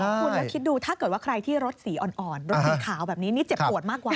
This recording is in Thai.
คุณแล้วคิดดูถ้าเกิดว่าใครที่รถสีอ่อนรถสีขาวแบบนี้นี่เจ็บปวดมากกว่า